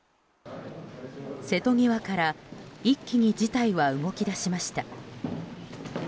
瀬戸際から一気に事態は動き出しました。